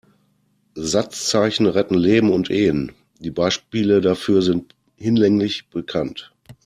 Satzzeichen retten Leben und Ehen, die Beispiele dafür sind hinlänglich bekannt.